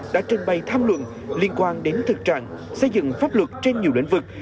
đã trên bay tham luận liên quan đến thực trạng xây dựng pháp luật trên nhiều lĩnh vực